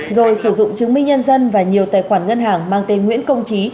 rồi sử dụng chứng minh nhân dân và nhiều tài khoản ngân hàng mang tên nguyễn công trí